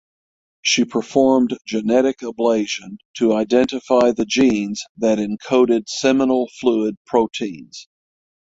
She performed genetic ablation to identify the genes that encoded seminal fluid proteins.